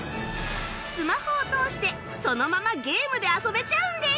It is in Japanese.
スマホを通してそのままゲームで遊べちゃうんです